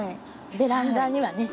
ベランダにはね